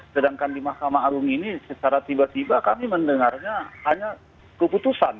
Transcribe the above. sedangkan di mahkamah agung ini secara tiba tiba kami mendengarnya hanya keputusan